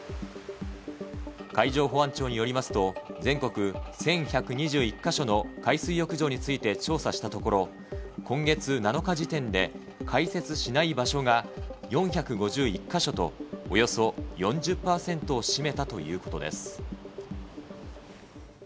海上保安庁によりますと、全国１１２１か所の海水浴場について調査したところ、今月７日時点で、開設しない場所が４５１か所と、およそ４０％を占めたということです。